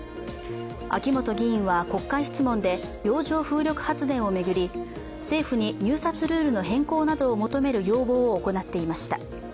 秋本議員は国会質問で洋上風力発電を巡り政府に入札ルールの変更などを求める要望を行っていました。